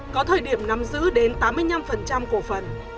có thời điểm nắm giữ đến tám mươi năm cổ phần